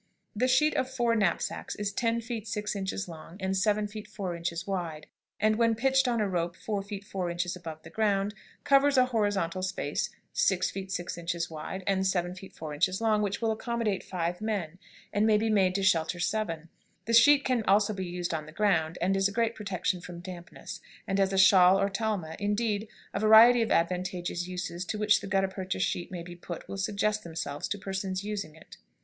"The sheet of four knapsacks is 10 feet 6 inches long, and 7 feet 4 inches wide, and when pitched on a rope 4 feet 4 inches above the ground, covers a horizontal space 6 feet 6 inches wide, and 7 feet 4 inches long, which will accommodate five men, and may be made to shelter seven. The sheet can also be used on the ground, and is a great protection from dampness, and as a shawl or talma; indeed, a variety of advantageous uses to which the gutta percha sheet may be put will suggest themselves to persons using it.